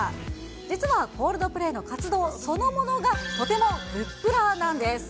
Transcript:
実はコールドプレイの活動そのものが、とてもグップラなんです。